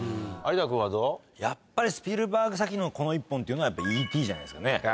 やっぱりスピルバーグ作品のこの１本というのは、やっぱＥ．Ｔ．じゃないですかね。